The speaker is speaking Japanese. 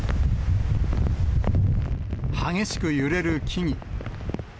激しく揺れる木々。